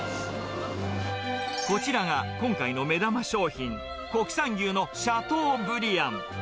こちらが今回の目玉商品、国産牛のシャトーブリアン。